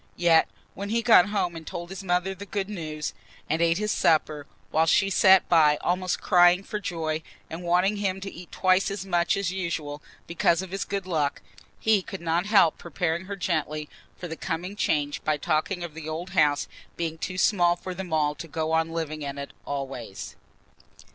Yet when he got home and told his mother the good news, and ate his supper, while she sat by almost crying for joy and wanting him to eat twice as much as usual because of this good luck, he could not help preparing her gently for the coming change by talking of the old house being too small for them all to go on living in it always.